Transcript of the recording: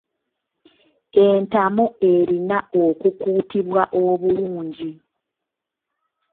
Entamu erina okukuutibwa obulungi.